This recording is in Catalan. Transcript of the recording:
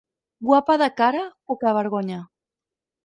Guapa de cara, pocavergonya.